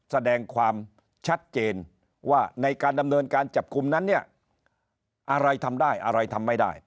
แสดงความชัดเจนว่าในการดำเนินการจับกลุ่มนั้นเนี่ยอะไรทำได้อะไรทำไม่ได้